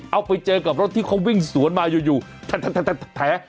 เอาไปเจอกับรถที่เขาวิ่งสวนมาอยู่แท้